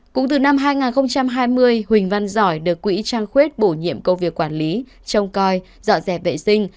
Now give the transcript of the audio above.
cũng từ năm hai nghìn hai mươi huỳnh văn giỏi được quỹ trăng khuyết bổ nhiệm công việc quản lý trông coi dọn dẹp vệ sinh